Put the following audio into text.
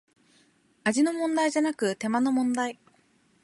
味の問題じゃなく手間の問題